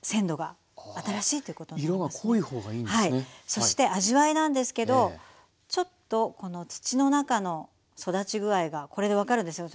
そして味わいなんですけどちょっとこの土の中の育ち具合がこれで分かるんですよ。